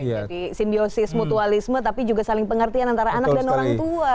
jadi simbiosis mutualisme tapi juga saling pengertian antara anak dan orang tua